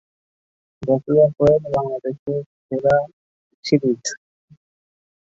Jimmy Nanda Ahmedabad থেকে এসেছেন।